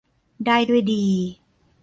ได้ด้วยดี